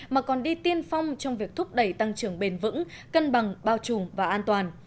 mà còn đi tiên phong trong việc thúc đẩy tăng trưởng bền vững cân bằng bao trùm và an toàn